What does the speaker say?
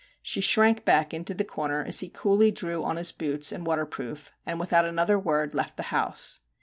She shrank back into the corner as he coolly drew on his boots and waterproof, and without another word left the house.